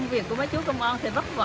việc của mấy chú công an thì vất vả